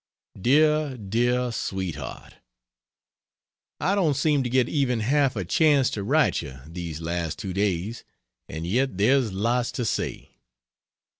DEAR, DEAR SWEETHEART, I don't seem to get even half a chance to write you, these last two days, and yet there's lots to say.